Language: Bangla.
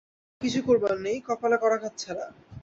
কিছু করবার নেই, কপালে করাঘাত ছাড়া।